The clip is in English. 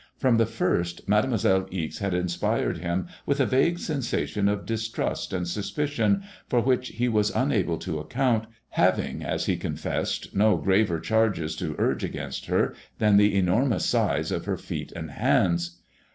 From the first Made moiselle Ixe had inspired him with a vague sensation of dis trust and suspicion, for which he was unable to account, having, as he confessed, no graver charges to urge against her than the enor mous sijEe of her feet and hands.